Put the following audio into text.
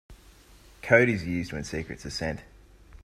Code is used when secrets are sent.